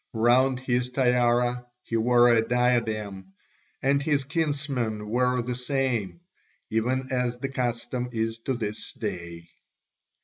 Round his tiara he wore a diadem, and his kinsmen wore the same, even as the custom is to this day.